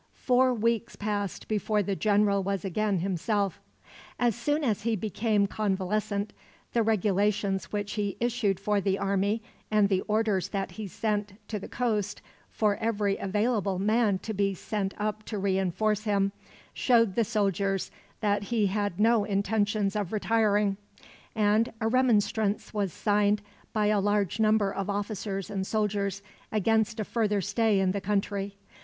Four weeks passed before the general was again himself. As soon as he became convalescent, the regulations which he issued for the army, and the orders that he sent to the coast, for every available man to be sent up to reinforce him, showed the soldiers that he had no intentions of retiring; and a remonstrance was signed, by a large number of officers and soldiers, against a further stay in the country.